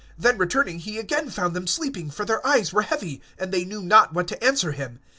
(40)And returning, he found them again sleeping, for their eyes were heavy; and they knew not what to answer him.